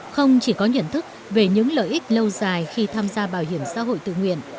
không chỉ có nhận thức về những lợi ích lâu dài khi tham gia bảo hiểm xã hội tự nguyện